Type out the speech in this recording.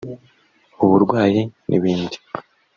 uburwayi n’ibindi